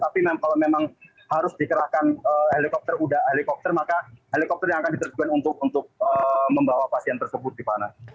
tapi kalau memang harus dikerahkan helikopter maka helikopter yang akan diterjukan untuk membawa pasien tersebut rifana